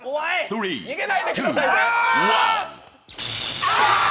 逃げないでくださいね。